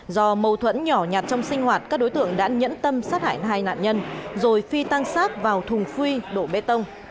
do mâu thuẫn nhỏ nhạt trong sinh hoạt các đối tượng đã nhẫn tâm sát hại hai nạn nhân rồi phi tang sát vào thùng phi đổ bê tông